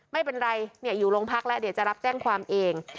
ไม่เป็นไรอยู่โรงพักแล้วเดี๋ยวจะรับแจ้งความเอง